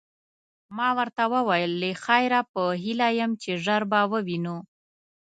ما ورته وویل: له خیره، په هیله یم چي ژر به ووینو.